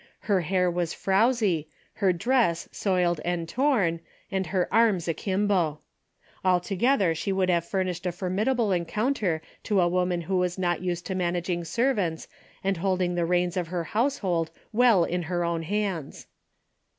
Her hair was frowsy, her dress soiled and torn, and her arms akimbo. Altogether she would have furnished a formidable encounter to a woman who was not used to managing servants and holding the reins of her household well in her own hands.